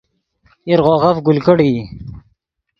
ایرغوغف گل کڑیئی